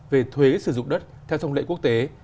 về thuế sử dụng đất theo thông lệ quốc tế